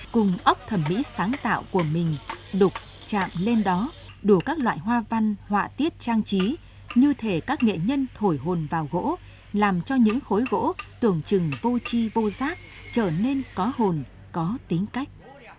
cùng ốc thẩm mỹ sáng tạo của mình đục chạm lên đó đủ các loại hoa văn họa tiết trang trí như thể các nghệ nhân thổi hồn vào gỗ làm cho những khối gỗ tưởng chừng vô chi vô giác trở nên có hồn có tính cách